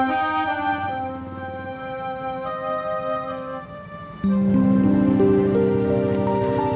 saya sudah berhenti